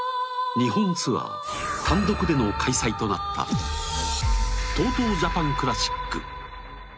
日本ツアー単独での開催となったＴＯＴＯジャパンクラシック。